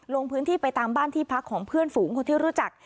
ลงพื้นที่ไปตามบ้านที่พักของเพื่อนฝูงคนที่รู้จัก